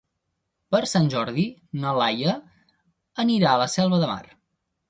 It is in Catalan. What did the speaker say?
Per Sant Jordi na Laia irà a la Selva de Mar.